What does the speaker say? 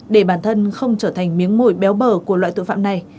để bản thân không trở thành miếng mồi béo bờ của loại tội phạm này